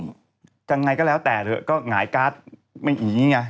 ก็หงายการ์ดแบบนี้ไง